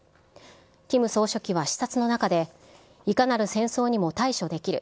キム総書記は視察の中で、いかなる戦争にも対処できる。